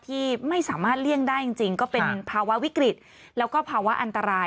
ที่ไม่สามารถเลี่ยงได้จริงก็เป็นภาวะวิกฤตแล้วก็ภาวะอันตราย